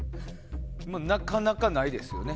なかなかないですよね